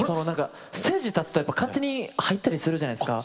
ステージ立つと勝手に入ったりするじゃないですか。